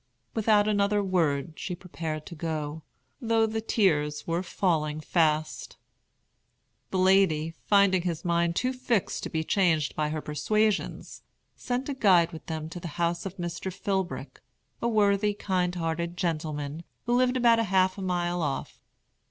Without another word she prepared to go, though the tears were falling fast. The lady, finding his mind too fixed to be changed by her persuasions, sent a guide with them to the house of Mr. Philbrick, a worthy, kind hearted gentleman, who lived about half a mile off.